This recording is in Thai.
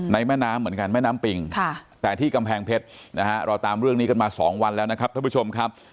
แม่น้ำเหมือนกันแม่น้ำปิงแต่ที่กำแพงเพชรนะฮะเราตามเรื่องนี้กันมา๒วันแล้วนะครับท่านผู้ชมครับ